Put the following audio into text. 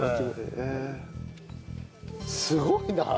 すごいなあ！